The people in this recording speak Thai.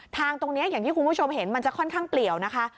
ทางตรงนี้อย่างที่คุณผู้ชมเห็นมันจะค่อนข้างเปลี่ยวนะคะ